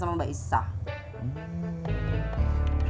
ibu kan udah baik kan sama mbak issa